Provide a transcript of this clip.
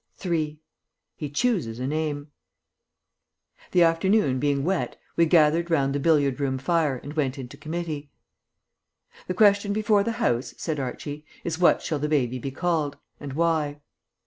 III. HE CHOOSES A NAME The afternoon being wet we gathered round the billiard room fire and went into committee. "The question before the House," said Archie, "is what shall the baby be called, and why.